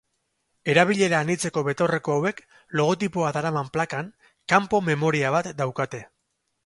Erabilera anitzeko betaurreko hauek, logotipoa daraman plakan, kanpo-memoria bat daukate.